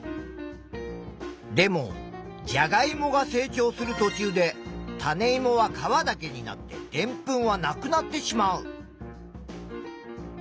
でもじゃがいもが成長するとちゅうで種いもは皮だけになってでんぷんはなくなってしまう。